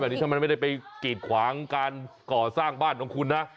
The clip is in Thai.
นี่ก็ไม่ได้ไปกิดขวางการก่อสร้างบ้านของคุณนะ